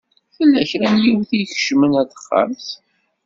Tella kra n yiwet i ikecmen ar texxamt.